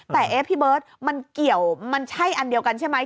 แต่เอ๊ะพี่เบิร์ตมันเกี่ยวมันใช่อันเดียวกันใช่ไหม